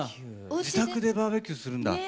自宅でバーベキューするんだ。